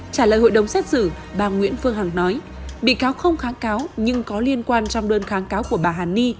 trả lời hội đồng xét xử bà nguyễn phương hằng nói bị cáo không kháng cáo nhưng có liên quan trong đơn kháng cáo của bà hàn ni